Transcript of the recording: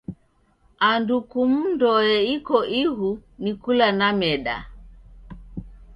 Andu kumu ndoe iko ighu ni kula na meda.